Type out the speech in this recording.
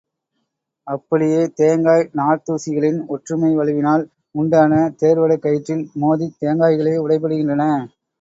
அப்படியே, தேங்காய் நார்த்தூசிகளின் ஒற்றுமை வலுவினால் உண்டான தேர்வடக் கயிற்றில் மோதித் தேங்காய்களே உடைபடுகின்றன.